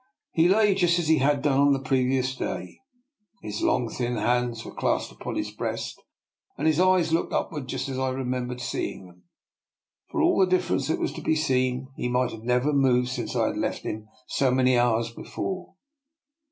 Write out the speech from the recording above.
He lay just as he had done on the previous day; his long thin hands were clasped upon his breast, and his eyes looked upward just as I remembered seeing them. For all the difference that was to be seen, he might never have moved since I had left him* so many hours before.